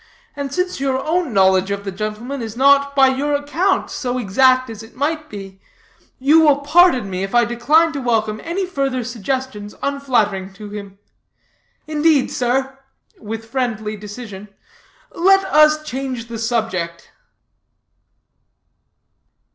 And since your own knowledge of the gentleman is not, by your account, so exact as it might be, you will pardon me if I decline to welcome any further suggestions unflattering to him. Indeed, sir," with friendly decision, "let us change the subject."